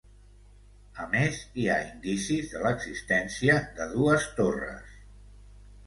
A més, hi ha indicis de l'existència de dues torres.